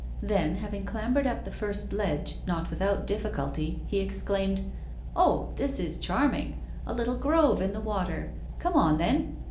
Then, having clambered up the first ledge, not without difficulty, he exclaimed: "Oh! this is charming! a little grove in the water come on, then!"